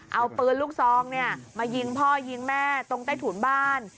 เอาปืนลูกซองมายิงพ่อยิงแม่ตรงใต้ถุนบ้าน